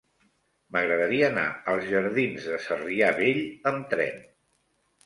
M'agradaria anar als jardins de Sarrià Vell amb tren.